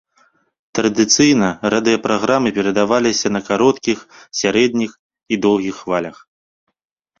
Традыцыйна радыёпраграмы перадаваліся на кароткіх, сярэдніх і доўгіх хвалях.